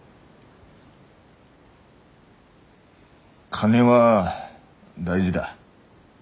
金は大事だ。